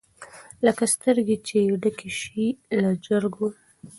لکه سترګي چي یې ډکي سي له ژرګو